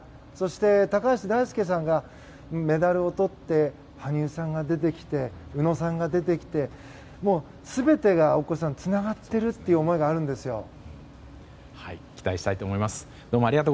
そして、高橋大輔さんがメダルをとって羽生さんが出てきて宇野さんが出てきて全てが大越さんつながっているという思いがあるんですよ。